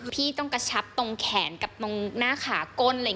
พี่ต้องกระชับตรงแขนกับตรงหน้าขาก้น